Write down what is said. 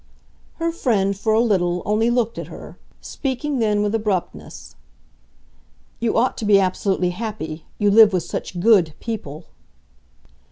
Her friend, for a little, only looked at her speaking then with abruptness. "You ought to be absolutely happy. You live with such GOOD people."